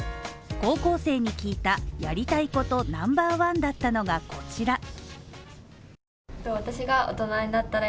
高校生に聞いた、やりたいことナンバーワンだったのがこちら。